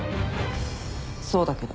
そうだけど。